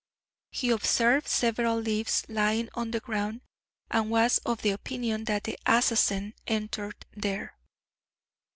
He observed several leaves lying on the ground, and was of the opinion that the assassin entered there.